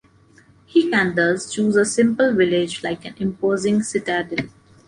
He can thus choose a simple village like an imposing citadel.